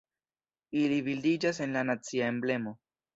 Ili bildiĝas en la nacia emblemo.